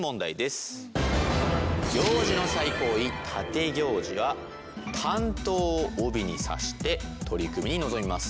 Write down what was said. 行司の最高位立行司は短刀を帯に差して取組に臨みます。